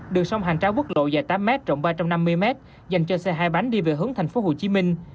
đường sông hành tráo quốc lộ dài tám m rộng ba trăm năm mươi m dành cho xe hai bánh đi về hướng tp hcm